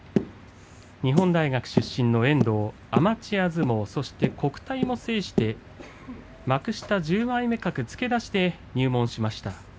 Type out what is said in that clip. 日本大学出身の遠藤アマチュア相撲、国体も制して幕下１５枚目格付け出しで入門しました。